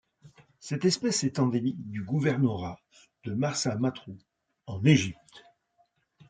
Cette espèce est endémique du gouvernorat de Marsa-Matruh en Égypte.